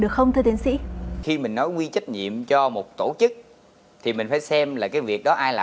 được không từ tiến sĩ khi mình nói quy trách nhiệm cho một tổ chức thì mình phải xem là cái việc đó